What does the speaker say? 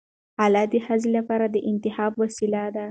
خلع د ښځې لپاره د انتخاب وسیله ده.